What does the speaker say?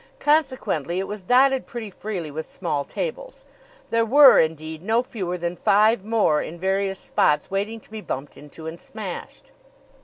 Consequently it was dotted pretty freely with small tables. There were, indeed, no fewer than five more in various spots, waiting to be bumped into and smashed.